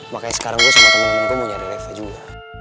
makanya sekarang gue sama temen temen gue mau nyari reva juga